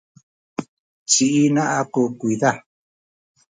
ci ina aku kuyza